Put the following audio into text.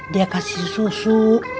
dia kasih susu